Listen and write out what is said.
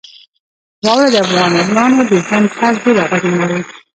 واوره د افغانانو د ژوند طرز ډېر اغېزمنوي.